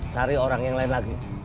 cari orang yang lain lagi